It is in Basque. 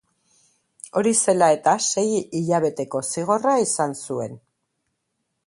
Hori zela eta, sei hilabeteko zigorra izan zuen.